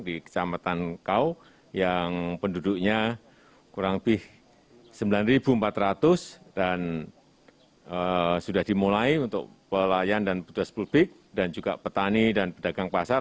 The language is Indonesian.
di kecamatan kau yang penduduknya kurang lebih sembilan empat ratus dan sudah dimulai untuk pelayan dan petugas publik dan juga petani dan pedagang pasar